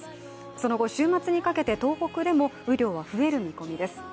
その後、週末にかけて東北でも雨量は増える見込みです。